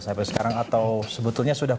sampai sekarang atau sebetulnya sudah